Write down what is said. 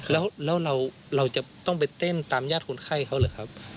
แล้วเราจะต้องไปเต้นตามญาติคนไข้เขาหรือครับ